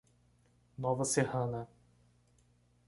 Nova Serrana